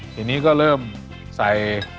ทีนี้ก็เริ่มใส่